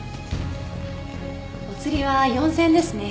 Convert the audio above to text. お釣りは４０００円ですね。